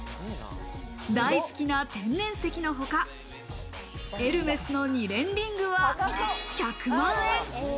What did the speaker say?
大好きな天然石のほか、エルメスの２連リングは１００万円。